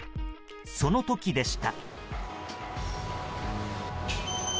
その時でした。